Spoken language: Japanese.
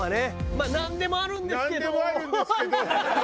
まあ「なんでもあるんですけど」。